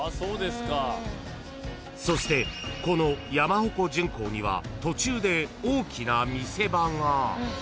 ［そしてこの山鉾巡行には途中で大きな見せ場が］